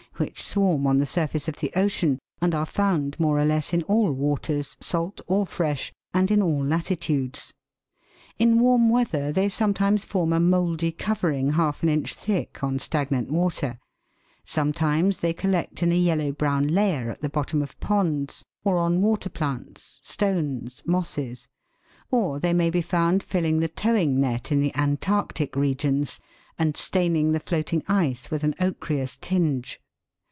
5), which swarm on the surface of the ocean, and are found, more or less, in all waters, salt or fresh, and in all latitudes. In warm weather they sometimes form a mouldy cover ing, half an inch thick, on stagnant water; sometimes they collect in a yellow brown layer at the bottom of ponds, or on water plants, stones, mosses ; or they may be found filling the towing net in the Antarctic regions, and staining the floating ice with an ochreous tinge.